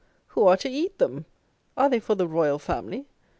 Who are to eat them? Are they for the Royal Family?